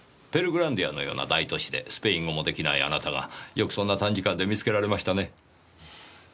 ペルグランディアのような大都市でスペイン語も出来ないあなたがよくそんな短時間で見つけられましたね。